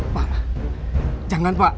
pak jangan pak